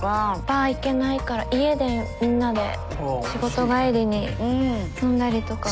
バー行けないから家でみんなで仕事帰りに飲んだりとか。